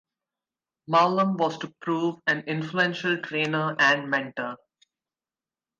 Mowlem was to prove an influential trainer and mentor.